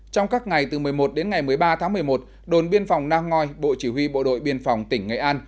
trong các ngày từ một mươi một đến ngày một mươi ba tháng một mươi một đồn biên phòng nang ngoi bộ chỉ huy bộ đội biên phòng tỉnh nghệ an